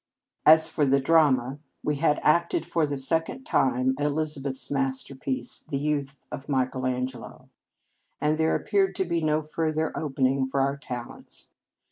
As for the drama, we had acted for Marriage Vows the second time Elizabeth s master piece, " The Youth of Michael An gelo," and there appeared to be no further opening for our talents.